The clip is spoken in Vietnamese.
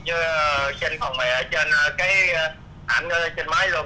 chứ trên phòng mềm trên cái ảnh trên máy luôn